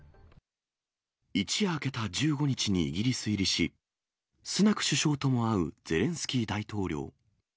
一夜明けた１５日にイギリス入りし、スナク首相とも会うゼレンスキー大統領。